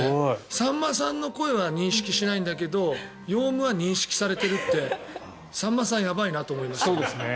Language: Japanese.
さんまさんの声は認識しないんだけどヨウムは認識されているってさんまさん、やばいなって思いました。